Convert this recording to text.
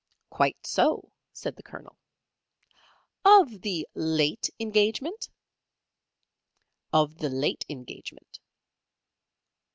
"Quite so," said the Colonel. "Of the late engagement?" "Of the late engagement."